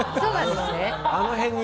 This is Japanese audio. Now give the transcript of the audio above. あの辺に。